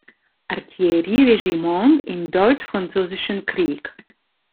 Artillerieregiment im Deutsch-Französischen Krieg.